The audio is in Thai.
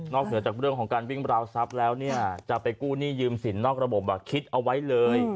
นอกถ้าเกิดจากพี่เร็วของการวิ่งราวทรัพย์แล้วเนี่ยจะไปกู้หนี้ยืมศิลป์นอกระบบป่ะคิดเอาไว้เลย